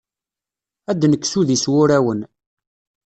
Ad d-nekkes udi s wurawen.